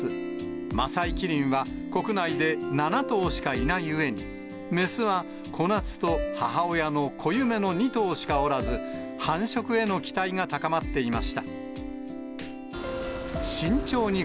マサイキリンは、国内で７頭しかいないうえに、雌はコナツと母親のコユメの２頭しかおらず、繁殖への期待が高まっていました。